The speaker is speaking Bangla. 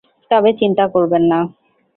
তবে চিন্তা করবেন না।